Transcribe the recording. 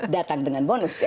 datang dengan bonus